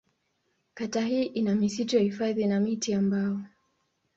Kata hii ina misitu ya hifadhi na miti ya mbao.